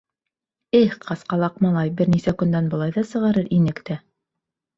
— Эх, ҡасҡалаҡ малай, бер нисә көндән былай ҙа сығарыр инек тә.